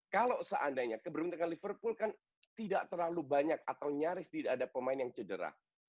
kalau seandainya keberuntungan liverpool kan tidak terlalu banyak atau nyaris tidak ada pemain yang cedera